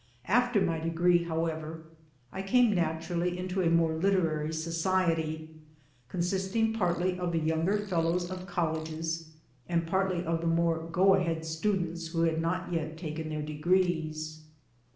After my degree how ever I came naturally into a more literary society, consisting partly of the younger Fellows of Colleges and partly of the more go ahead students who had not yet taken their degrees.